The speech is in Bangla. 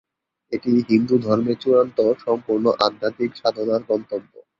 এটি হিন্দু ধর্মে চূড়ান্ত, সম্পূর্ণ, আধ্যাত্মিক সাধনার গন্তব্য।